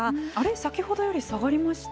先ほどより下がりました？